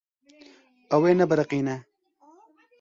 Ew ê nebiriqîne.